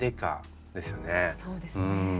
そうですね。